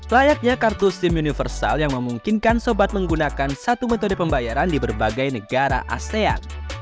layaknya kartu sim universal yang memungkinkan sobat menggunakan satu metode pembayaran di berbagai negara asean